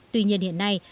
tuy nhiên hiện nay